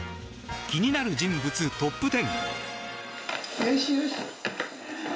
気になる人物トップ１０。